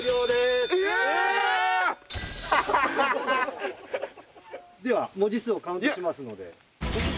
では。